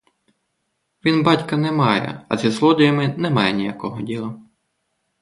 Він батька немає, а зі злодіями не має ніякого діла.